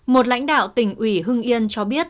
một lãnh đạo tỉnh ủy hưng yên cho biết